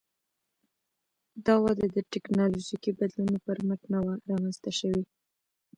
دا وده د ټکنالوژیکي بدلونونو پر مټ نه وه رامنځته شوې